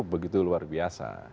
begitu luar biasa